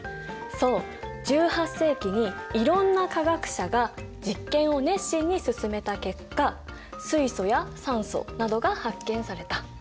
そう１８世紀にいろんな化学者が実験を熱心に進めた結果水素や酸素などが発見された。